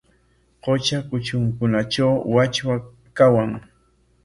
Qutra kutrunkunatraw wachwa kawan.